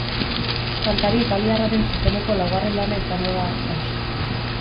Kantari italiarraren zuzeneko laugarren lana izango da hauxe.